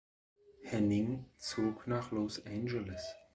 Henning zog nach Los Angeles.